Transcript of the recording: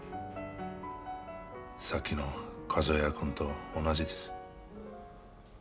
さっきの一哉君と同じです。